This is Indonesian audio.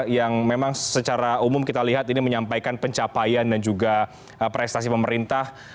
yang memang secara umum kita lihat ini menyampaikan pencapaian dan juga prestasi pemerintah